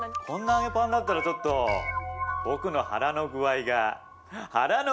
こんな揚げパンだったらちょっと僕のハラの具合が。